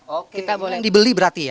oke yang dibeli berarti ya